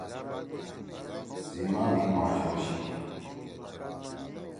سیما مھی ماشو سی